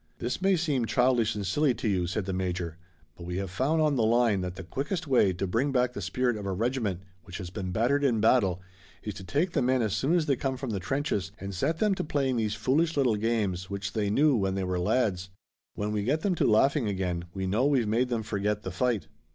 "This may seem childish and silly to you," said the major, "but we have found on the line that the quickest way to bring back the spirit of a regiment which has been battered in battle is to take the men as soon as they come from the trenches and set them to playing these foolish little games which they knew when they were lads. When we get them to laughing again we know we've made them forget the fight."